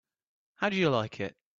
How do you like it?